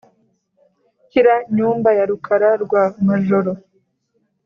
Kira nyumba ya rukara rwa Majoro!